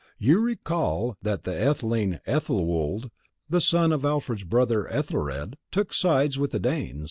You recall that the Etheling Ethelwold, the son of Alfred's brother Ethelred, took sides with the Danes.